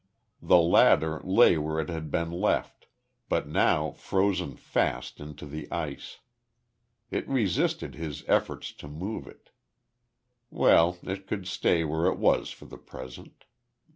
The ladder lay where it had been left, but now frozen fast into the ice. It resisted his efforts to move it. Well, it could stay where it was for the present.